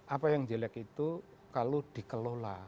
apa yang jelek itu kalau dikelola